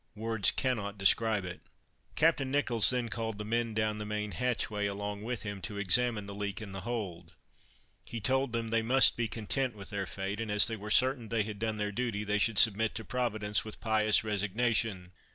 words cannot describe it." Captain Nicholls then called the men down the main hatchway, along with him, to examine the leak in the hold. He told them they must be content with their fate; and as they were certain they had done their duty, they should submit to Providence with pious resignation.